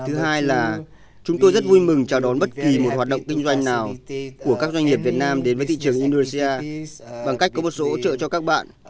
thứ hai là chúng tôi rất vui mừng chào đón bất kỳ một hoạt động kinh doanh nào của các doanh nghiệp việt nam đến với thị trường indonesia bằng cách có một số hỗ trợ cho các bạn